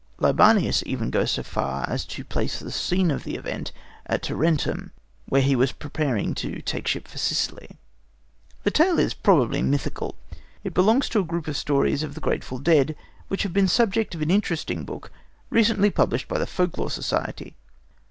Libanius even goes so far as to place the scene of the event at Tarentum, where he was preparing to take ship for Sicily. The tale is probably mythical. It belongs to a group of stories of the grateful dead, which have been the subject of an interesting book recently published by the Folk Lore Society.